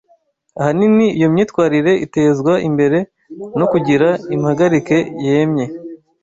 Ahanini iyo myitwarire itezwa imbere no kugira impagarike yemye.